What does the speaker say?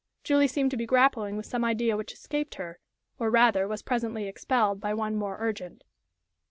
Julie seemed to be grappling with some idea which escaped her, or, rather, was presently expelled by one more urgent.